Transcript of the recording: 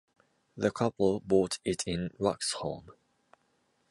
The couple bought it in Waxholm.